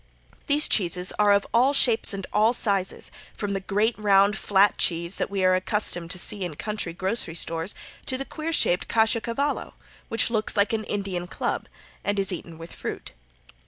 These cheeses are of all sizes and all shapes, from the great, round, flat cheese that we are accustomed to see in country grocery stores, to the queer shaped caciocavallo, which looks like an Indian club and is eaten with fruit.